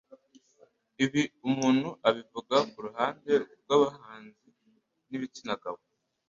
ibi umuntu abivuga kuruhande rw'abahanzi b'igitsina gabo